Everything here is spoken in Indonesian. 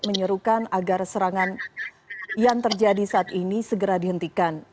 menyerukan agar serangan yang terjadi saat ini segera dihentikan